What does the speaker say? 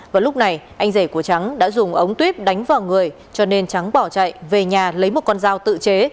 vào lúc này anh rể của trắng đã dùng ống tuyết đánh vào người cho nên trắng bỏ chạy về nhà lấy một con dao tự chế